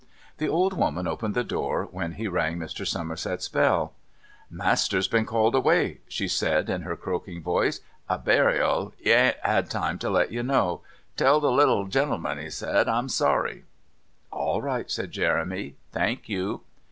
The old woman opened the door when he rang Mr. Somerset's bell. "Master's been called away," she said in her croaking voice. "A burial. 'E 'adn't time to let you know. 'Tell the little gen'l'man,' 'e said, 'I'm sorry.'" "All right," said Jeremy; "thank you."